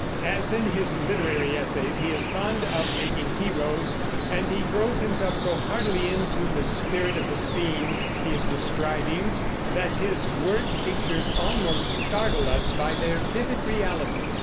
As in his literary essays, he is fond of making heroes, and he throws himself so heartily into the spirit of the scene he is describing that his word pictures almost startle us by their vivid reality.